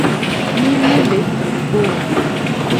Mi mu le ci kpo o.